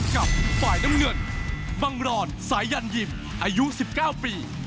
ก่อนสายยันยิมอายุ๑๙ปี